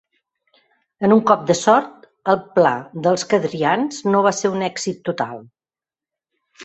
En un cop de sort, el pla dels Kadrians no va ser un èxit total.